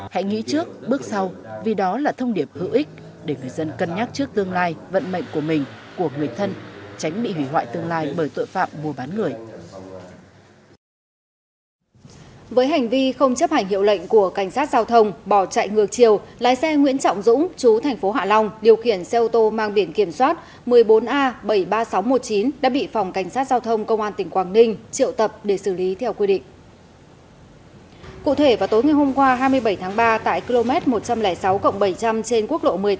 hãy nghĩ trước bước sau vì đó là thông điệp hữu ích để người dân có thể tìm hiểu và tìm hiểu